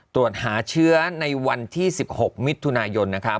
ตรวจหาเชื้อในวันที่๑๖มิถุนายน